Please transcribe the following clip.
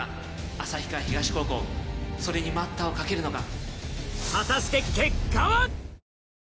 旭川東高校それに待ったをかけるのか？